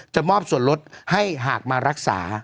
มอบส่วนลดให้หากมารักษา